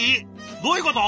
どういうこと！？